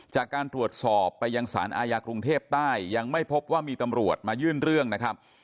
จากการตรวจสอบไปยังสารอาญากรุงเทพใต้ยังไม่พบว่ามีตำรวจมายื่นเรื่องนะครับ